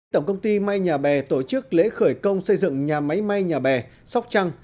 tổng công ty mai nhà bè tổ chức lễ khởi công xây dựng nhà máy may nhà bè sóc trăng